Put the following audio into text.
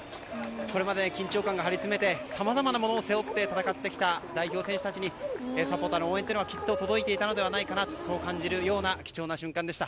これまで緊張感が張りつめてさまざまものを背負って戦ってきた代表選手たちにサポーターの応援はきっと届いていたのではないかと感じる瞬間でした。